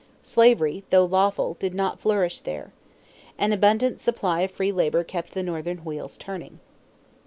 Slavery, though lawful, did not flourish there. An abundant supply of free labor kept the Northern wheels turning.